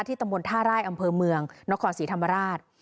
ตำบลท่าไร่อำเภอเมืองนครศรีธรรมราช